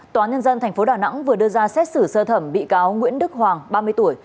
tòa nhân dân tp đà nẵng vừa đưa ra xét xử sơ thẩm bị cáo nguyễn đức hoàng ba mươi tuổi